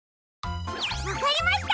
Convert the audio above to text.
わかりました！